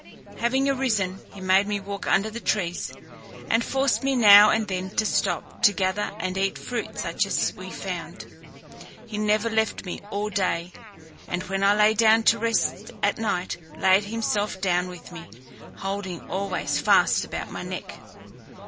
Having arisen, he made me walk under the trees, and forced me now and then to stop, to gather and eat fruit such as we found. He never left me all day, and when I lay down to rest at night, laid himself down with me, holding always fast about my neck.